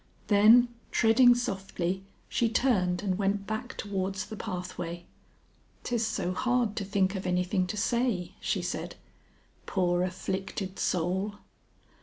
Then treading softly she turned and went back towards the pathway. "'Tis so hard to think of anything to say," she said. "Poor afflicted soul!"